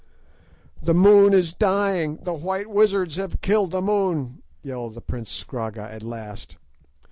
"The moon is dying—the white wizards have killed the moon," yelled the prince Scragga at last.